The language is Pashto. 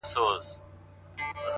ستا پسرلي ته به شعرونه جوړ کړم؛